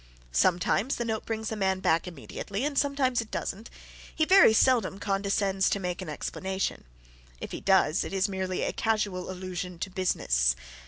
Sometimes the note brings the man back immediately and sometimes it doesn't. He very seldom condescends to make an explanation. If he does, it is merely a casual allusion to "business."